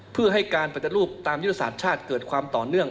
เพื่อให้การปฏิรูปตามยุทธศาสตร์ชาติเกิดความต่อเนื่อง